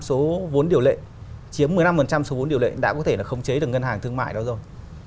một mươi năm số vốn điều lệ chiếm một mươi năm số vốn điều lệ đã có thể là khống chế được ngân hàng thương mại đó rồi